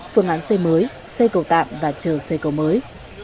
phương án xây mới xây cầu tạm và chờ xây cầu mới